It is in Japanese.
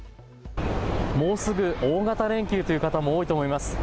もうすぐ大型連休という方も多いと思います。